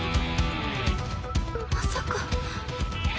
まさか。